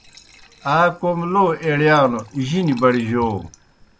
آ کوْم لو ایڑِیانوْ جِنیْ بڑِجو۔